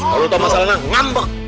kalo tau masalahnya ngambek